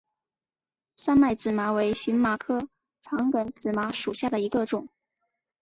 三脉紫麻为荨麻科长梗紫麻属下的一个种。